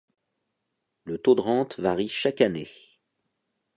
Le taux de rente varie chaque année.